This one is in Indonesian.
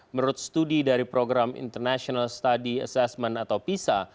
menurut studi dari program international study assessment atau pisa